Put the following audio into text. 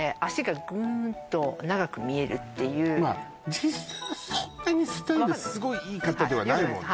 実際はそんなにスタイルすごいいい方ではないもんね